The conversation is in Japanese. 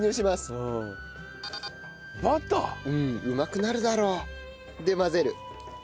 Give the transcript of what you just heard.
うまくなるだろう。で混ぜる。